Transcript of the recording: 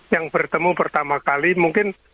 yang bertemu pertama kali mungkin